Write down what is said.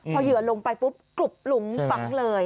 พอเหยื่อลงไปปุ๊บกรุบหลุมฝังเลย